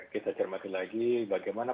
kita cermati lagi bagaimana